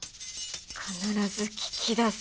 必ず聞き出す！